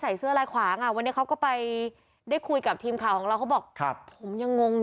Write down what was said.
ลูกน้องเรียกมาไกล่เกลี่ยหนึ่งรอบเป็นลูกน้อง